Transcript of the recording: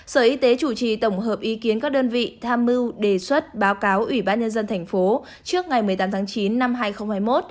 sở y tế chủ trì tổng hợp ý kiến các đơn vị tham mưu đề xuất báo cáo ủy ban nhân dân thành phố trước ngày một mươi tám tháng chín năm hai nghìn hai mươi một